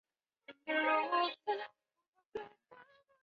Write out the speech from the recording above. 察北沙漠延伸至外蒙古。